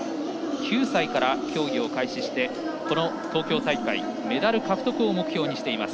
９歳から競技を開始してこの東京大会メダル獲得を目標にしています。